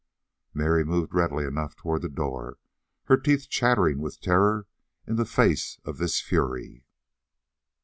Mary moved readily enough toward the door, her teeth chattering with terror in the face of this fury.